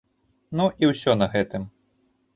Ну, і ўсё на гэтым!